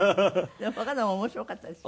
でも他のも面白かったですよ。